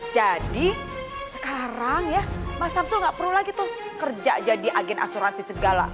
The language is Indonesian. jadi sekarang ya mas samsul gak perlu lagi tuh kerja jadi agen asuransi segala